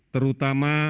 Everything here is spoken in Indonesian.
terutama pada saatnya